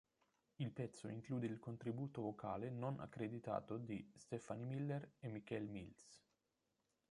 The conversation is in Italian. Il pezzo include il contributo vocale non accreditato di Stephanie Miller e Michelle Mills.